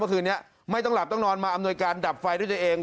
คืนนี้ไม่ต้องหลับต้องนอนมาอำนวยการดับไฟด้วยตัวเอง